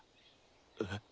えっ？